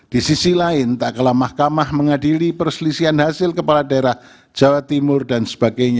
di sisi lain tak kalah mahkamah mengadili perselisihan hasil kepala daerah jawa timur dan sebagainya